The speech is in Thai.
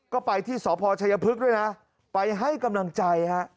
ก็ไปที่สพชัยพฤกษ์ด้วยนะไปให้กำลังใจฮะ